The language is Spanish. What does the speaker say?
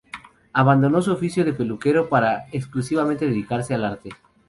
Abandonó su oficio de peluquero para exclusivamente dedicarse al arte.